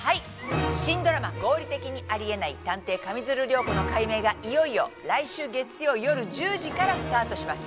◆新ドラマ「合理的にあり得ない探偵・上水流涼子の解明」がいよいよ来週、月曜夜１０時からスタートします。